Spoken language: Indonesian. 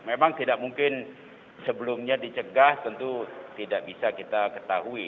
memang tidak mungkin sebelumnya dicegah tentu tidak bisa kita ketahui